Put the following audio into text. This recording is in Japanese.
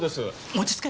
落ち着け！